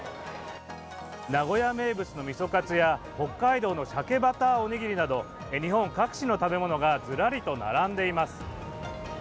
名古屋名物のみそかつや北海道のしゃけバターおにぎりなど日本各地の食べ物がずらりと並んでいます。